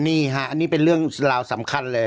นี่ฮะอันนี้เป็นเรื่องราวสำคัญเลย